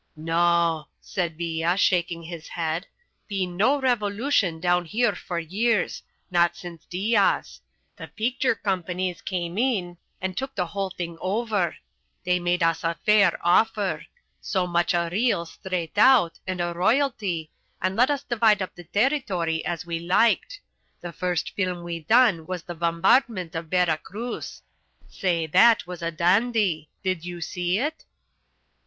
"No," said Villa, shaking his head, "been no revolution down here for years not since Diaz. The picture companies came in and took the whole thing over; they made us a fair offer so much a reel straight out, and a royalty, and let us divide up the territory as we liked. The first film we done was the bombardment of Vera Cruz. Say, that was a dandy; did you see it?"